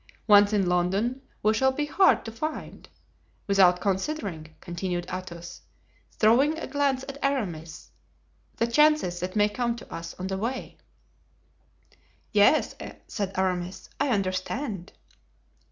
Once in London we shall be hard to find—without considering," continued Athos, throwing a glance at Aramis, "the chances that may come to us on the way." "Yes," said Aramis, "I understand."